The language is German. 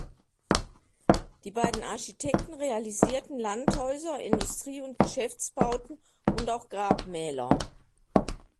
Die beiden Architekten realisierten Landhäuser, Industrie- und Geschäftsbauten und auch Grabmäler.